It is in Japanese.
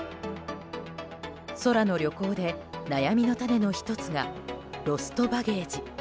空の旅行で悩みの種の１つがロストバゲージ。